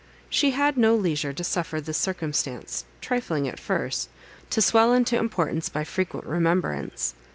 She had no leisure to suffer this circumstance, trifling at first, to swell into importance by frequent remembrance.